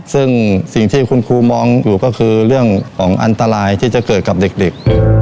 ซึ่งสิ่งที่คุณครูมองอยู่ก็คือเรื่องของอันตรายที่จะเกิดกับเด็ก